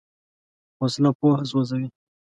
وسله پوهه سوځوي